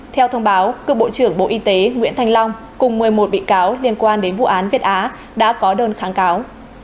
theo thông báo cựu bộ trưởng bộ y tế nguyễn thanh long cùng một mươi một bị cáo liên quan đến vụ án việt á đã có đơn kháng cáo